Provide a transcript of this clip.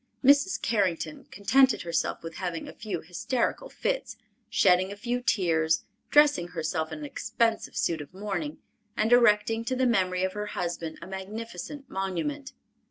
Mrs. Carrington contented herself with having a few hysterical fits, shedding a few tears, dressing herself in an expensive suit of mourning, and erecting to the memory of her husband a magnificent monument.